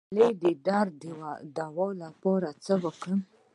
د ملا درد د دوام لپاره باید څه وکړم؟